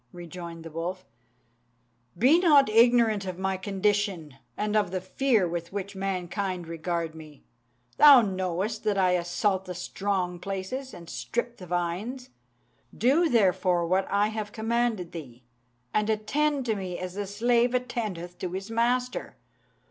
rejoined the wolf, "be not ignorant of my condition, and of the fear with which mankind regard me. Thou knowest that I assault the strong places, and strip the vines. Do, therefore, what I have commanded thee, and attend to me as the slave attendeth to his master."